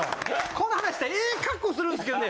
この話したらええ格好するんですけどね